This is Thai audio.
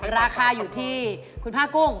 ราคาอยู่ที่คุณผ้ากุ้ง